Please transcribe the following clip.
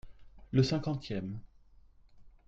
Le cinquantième.